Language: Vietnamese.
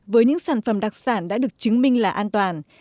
với những sản phẩm đặc sản đã được chứng minh là an toàn